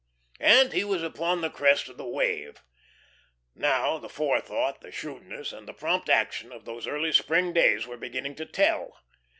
And he was upon the crest of the wave. Now the forethought, the shrewdness, and the prompt action of those early spring days were beginning to tell.